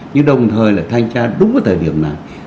nhưng đồng thời là thanh tra đúng cái thời điểm này